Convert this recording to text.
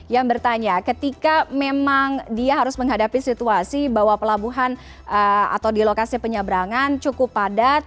yang bertanya ketika memang dia harus menghadapi situasi bahwa pelabuhan atau di lokasi penyebrangan cukup padat